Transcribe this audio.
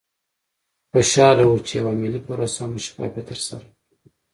خوشحاله وو چې یوه ملي پروسه مو په شفافیت ترسره کړه.